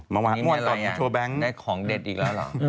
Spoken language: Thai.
นี่มันอะไรอ่ะได้ของเด็ดอีกแล้วเหรอ